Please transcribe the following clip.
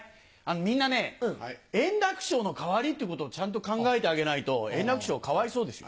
みんなね円楽師匠の代わりっていうことをちゃんと考えてあげないと円楽師匠かわいそうですよ。